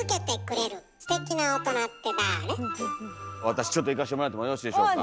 私ちょっといかしてもらってもよろしいでしょうか？